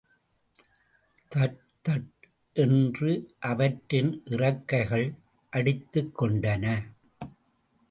That தட் என்று அவற்றின் இறக்கைகள் அடித்துக் கொண்டன.